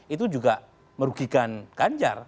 itu juga merugikan ganjar